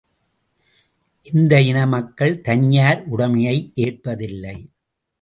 இந்த இன மக்கள் தனியார் உடைமையை ஏற்பதில்லை.